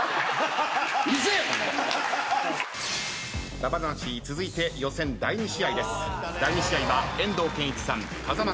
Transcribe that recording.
ＢＡＢＡ魂続いて予選第２試合です。